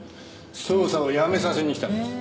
捜査をやめさせに来たんだよ。